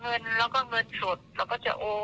แต่ที่ว่าเราสวายเงินจุดนี่เรายังจำไม่ได้เนอะ